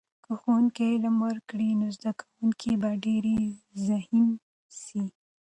که ښوونکی علم ورکړي، نو زده کونکي به ډېر ذهین سي.